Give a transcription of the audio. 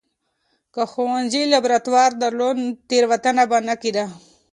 که ښوونځي لابراتوار درلود، تېروتنه به نه کېده.